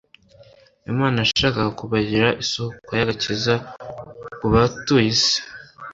Imana yashakaga kubagira isoko y'agakiza ku batuye isi.